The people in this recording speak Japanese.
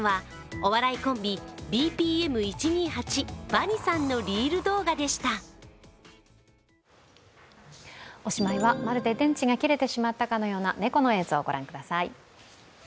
おしまいは、まるで電池が切れてしまったかのような猫の映像をご覧ください。